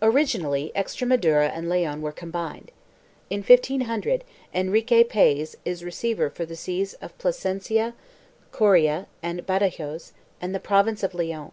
Originally Extremadura and Leon were combined. In 1500, Enrique Paez is receiver for the sees of Plasencia, Coria and Badajoz and the Province of Leon.